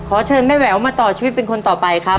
เชิญแม่แหววมาต่อชีวิตเป็นคนต่อไปครับ